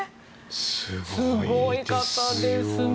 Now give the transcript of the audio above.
すごい方ですね。